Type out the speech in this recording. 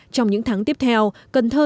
trong những tháng tiếp theo cần thơ